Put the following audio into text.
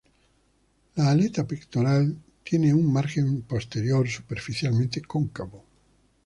La aleta pectoral tiene un margen posterior superficialmente cóncavo.